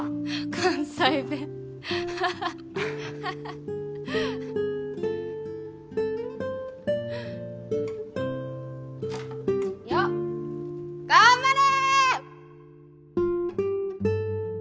関西弁よっ頑張れ！